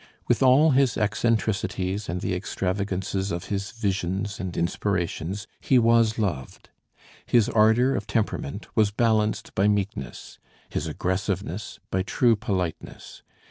With all his eccentricities and the extravagances of his "visions" and "inspirations," he was loved. His ardor of temperament was balanced by meekness, his aggressiveness by true politeness.